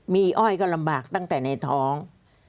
มีอ้อยก็ลำบากตั้งแต่ในท้อง